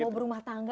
mau berumah tangga